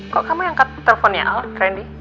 kok kamu angkat teleponnya al randy